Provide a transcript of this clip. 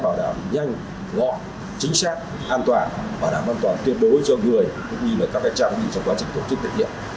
bảo đảm an toàn tuyệt đối cho người cũng như các trang trị trong quá trình tổ chức thực hiện